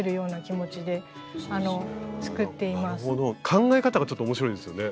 考え方がちょっと面白いですよね。